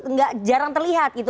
nggak jarang terlihat gitu